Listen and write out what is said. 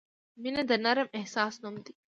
• مینه د نرم احساس نوم دی.